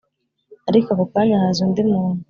ariko ako kanya haza undi muntu